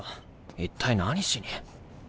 一体何しに。